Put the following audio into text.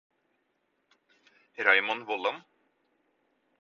Raymond Vollan